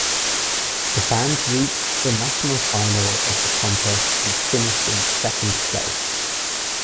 The band reached the national final of the contest and finished in second place.